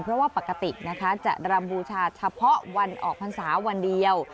เพราะว่าปกตินะคะจะรำบูชาเฉพาะวันออกพรรษาวันเดียว